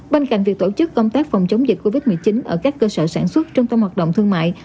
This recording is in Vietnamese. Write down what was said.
bên cạnh việc tổ chức công tác phòng chống dịch covid một mươi chín ở các cơ sở sản xuất trung tâm hoạt động thương mại